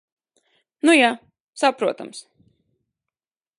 Nu ja. Saprotams.